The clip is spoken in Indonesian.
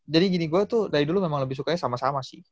jadi gini gue tuh dari dulu memang lebih sukanya sama sama sih